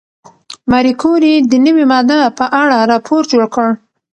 ماري کوري د نوې ماده په اړه راپور جوړ کړ.